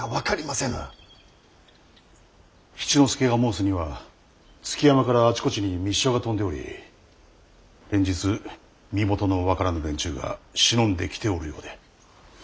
七之助が申すには築山からあちこちに密書が飛んでおり連日身元の分からぬ連中が忍んで来ておるようで。